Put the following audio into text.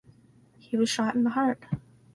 He was shot in the heart.